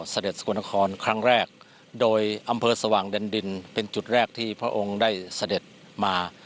เสด็จสกลนครครั้งแรกโดยอำเภอสว่างแดนดินเป็นจุดแรกที่พระองค์ได้เสด็จมา